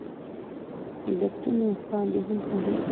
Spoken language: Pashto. علتونو باندې هم پوهیږي